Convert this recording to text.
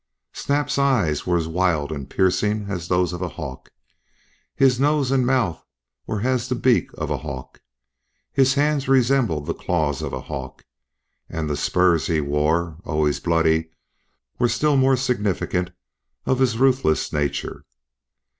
Snap's eyes were as wild and piercing as those of a hawk; his nose and mouth were as the beak of a hawk; his hands resembled the claws of a hawk; and the spurs he wore, always bloody, were still more significant of his ruthless nature.